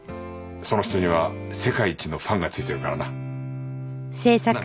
その人には世界一のファンがついてるからな。なあ？